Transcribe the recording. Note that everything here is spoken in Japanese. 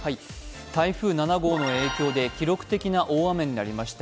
台風７号の影響で記録的な大雨になりました